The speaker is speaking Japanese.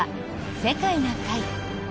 「世界な会」。